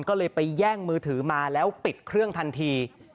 ก็เลยไปแย่งมือถือมาแล้วปิดเครื่องทันที